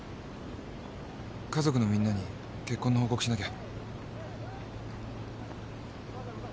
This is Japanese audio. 家族のみんなに結婚の報告しなきゃ。